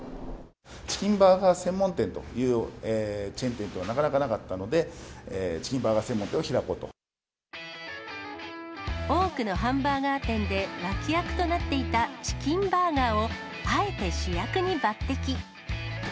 チキンバーガー専門店というチェーン店というのはなかなかなかったので、多くのハンバーガー店で脇役となっていたチキンバーガーを、あえて主役に抜てき。